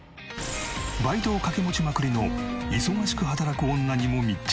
バイトをかけ持ちまくりの忙しく働く女にも密着。